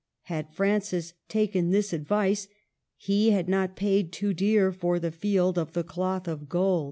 " Had Francis taken this advice, he had not paid too dear for the Field of the Cloth of Gold.